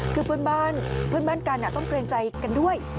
คือเพื่อนบ้านกันต้องเตรียมใจกันด้วย